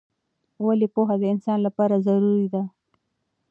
ولې پوهه د انسان لپاره ضروری ده؟